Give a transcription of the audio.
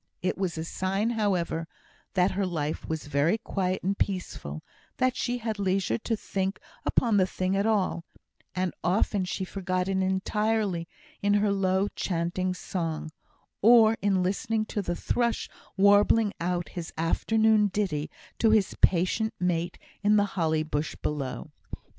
It was a sign, however, that her life was very quiet and peaceful, that she had leisure to think upon the thing at all; and often she forgot it entirely in her low, chanting song, or in listening to the thrush warbling out his afternoon ditty to his patient mate in the holly bush below.